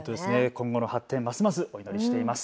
今後の発展ますます楽しみにしています。